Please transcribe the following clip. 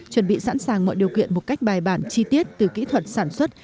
chuẩn bị sẵn sàng mọi điều kiện một cách bài bản chi tiết từ kỹ thuật sản xuất